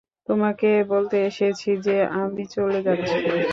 তোমাকে বলতে এসেছি যে, আমি চলে যাচ্ছি।